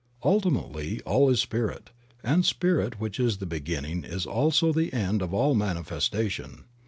Ultimately all is Spirit, and Spirit which is the beginning is also the end of all manifestation.